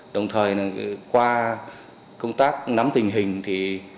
đồng thời qua công tác nắm tình hình